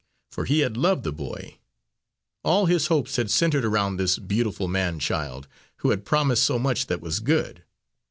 For he had loved the boy; all his hopes had centred around this beautiful man child, who had promised so much that was good.